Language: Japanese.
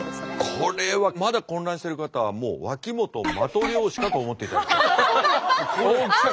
これはまだ混乱している方はもう脇本マトリョーシカと思っていただければ。